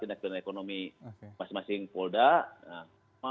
pendekatan ekonomi masing masing polda